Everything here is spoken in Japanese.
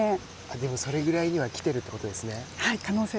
でもそのぐらいには来てるってことですね。